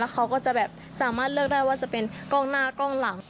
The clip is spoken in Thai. เขาก็จะแบบสามารถเลือกได้ว่าจะเป็นกล้องหน้ากล้องหลัง